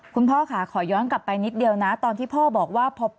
คุณพ่อค่ะขอย้อนกลับไปนิดเดียวนะตอนที่พ่อบอกว่า